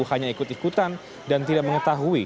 hanya ikut ikutan dan tidak mengetahui